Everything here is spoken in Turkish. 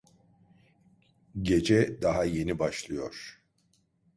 Gece daha yeni başlıyor.